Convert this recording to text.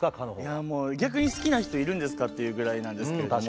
「逆に好きな人いるんですか？」っていうぐらいなんですけれども。